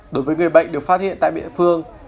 đối với người bệnh được phát hiện tại địa phương